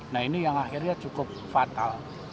nah ini yang akhirnya cukup fatal